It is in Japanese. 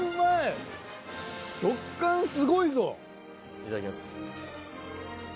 いただきます。